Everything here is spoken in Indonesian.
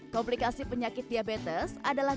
komplikasi penyakit diabetes adalah